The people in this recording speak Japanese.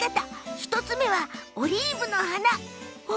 １つ目はオリーブの花。